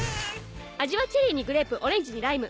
味はチェリーにグレープオレンジにライム。